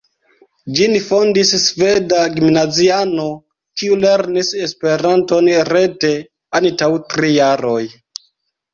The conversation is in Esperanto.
Ĝin fondis sveda gimnaziano, kiu lernis Esperanton rete antaŭ tri jaroj.